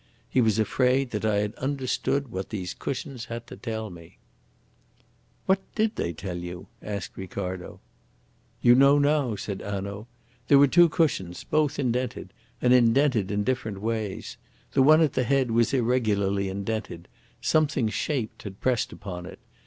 He was afraid that I had understood what these cushions had to tell me." "What did they tell you?" asked Ricardo. "You know now," said Hanaud. "They were two cushions, both indented, and indented in different ways. The one at the head was irregularly indented something shaped had pressed upon it.